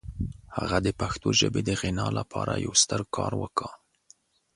هغه د پښتو ژبې د غنا لپاره یو ستر کار وکړ.